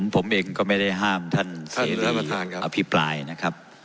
ผมเองก็ไม่ได้ห้ามท่านเสรีอภิปรายนะครับ